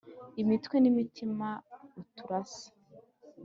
imitwe n’imitima uturasa